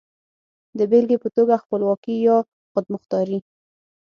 د بېلګې په توګه خپلواکي يا خودمختاري.